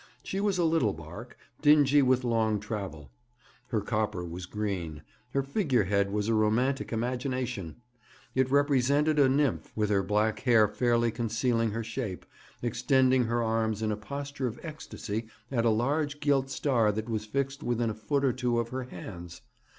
She was a little barque, dingy with long travel. Her copper was green. Her figure head was a romantic imagination. It represented a nymph, with her black hair fairly concealing her shape, extending her arms in a posture of ecstasy at a large gilt star that was fixed within a foot or two of her hands.